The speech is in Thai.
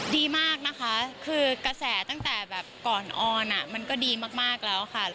ดีมากนะคะคือกระแสตั้งแต่แบบก่อนออนมันก็ดีมากแล้วค่ะ